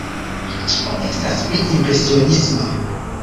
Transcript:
Ĉio estas pli impresionisma.